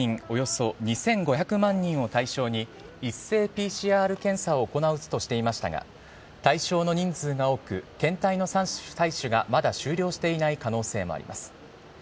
およそ２５００万人を対象に、一斉ＰＣＲ検査を行うとしていましたが、対象の人数が多く、検体の採取がまだ終了していない可能性もあります。